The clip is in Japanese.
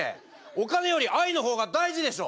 お金より愛の方が大事でしょ！